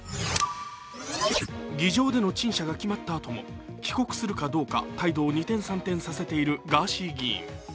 議場での陳謝が決まったあとも帰国するかどうか態度を二転三転させているガーシー議員。